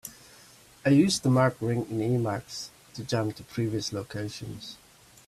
I use the mark ring in Emacs to jump to previous locations.